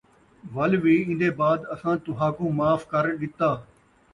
وَل وِی ایندے بعد اَساں تُہاکوں معاف کر ݙِتا،